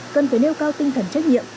cần phải nêu cao tinh thần trách nhiệm